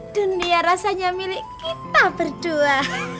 dunia rasanya milik kita berdua